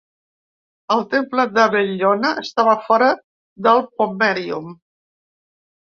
El Temple de Bel·lona estava fora del pomerium.